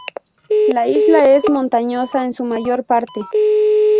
La isla es montañosa en su mayor parte.